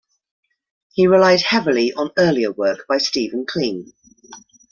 He relied heavily on earlier work by Stephen Kleene.